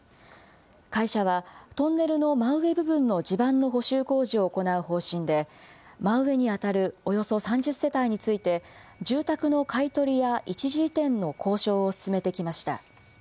会社は、トンネルの真上部分の地盤の補修工事を行う方針で、真上に当たるおよそ３０世帯について、住宅の買い取りや一時移転の交渉を進めてきました。